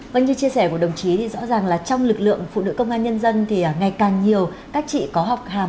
vâng như chia sẻ của đồng chí thì rõ ràng là trong lực lượng phụ nữ công an nhân dân thì ngày càng nhiều các chị có học hàm